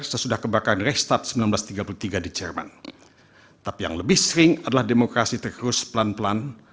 sesudah kebakaran restad seribu sembilan ratus tiga puluh tiga di jerman tapi yang lebih sering adalah demokrasi terus pelan pelan